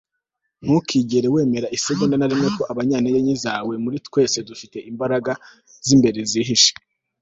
ntukigere wemera isegonda na rimwe ko abanyantege nke zawe, muri twese dufite imbaraga z'imbere zihishe. - victoria addino